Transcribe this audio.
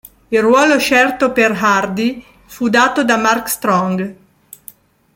Il ruolo scelto per Hardy fu dato a Mark Strong.